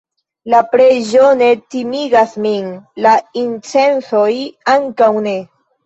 la preĝo ne timigas min, la incensoj ankaŭ ne.